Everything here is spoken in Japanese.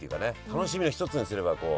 楽しみの一つにすればこう。